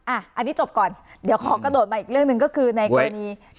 อันนี้จบก่อนเดี๋ยวขอกระโดดมาอีกเรื่องหนึ่งก็คือในกรณี